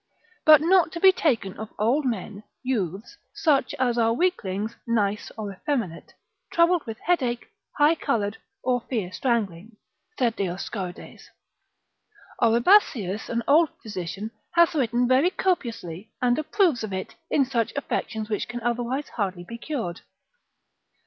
but not to be taken of old men, youths, such as are weaklings, nice, or effeminate, troubled with headache, high coloured, or fear strangling, saith Dioscorides. Oribasius, an old physician, hath written very copiously, and approves of it, in such affections which can otherwise hardly be cured.